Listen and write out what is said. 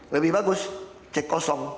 lebih bagus cek kosong